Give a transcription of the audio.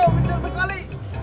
suara apa itu